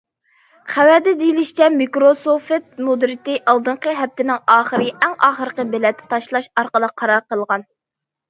خەۋەردە دېيىلىشىچە، مىكروسوفت مۇدىرىيىتى ئالدىنقى ھەپتىنىڭ ئاخىرى ئەڭ ئاخىرقى بېلەت تاشلاش ئارقىلىق قارار قىلغان.